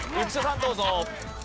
浮所さんどうぞ。